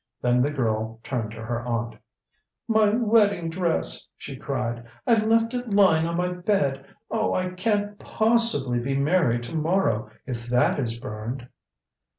Then the girl turned to her aunt. "My wedding dress!" she cried. "I left it lying on my bed. Oh, I can't possibly be married to morrow if that is burned!"